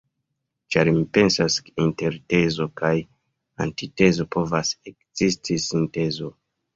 Ĉar mi pensas, ke inter tezo kaj antitezo povas ekzisti sintezo.